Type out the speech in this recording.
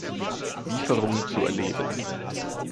Lieferung zu erleben.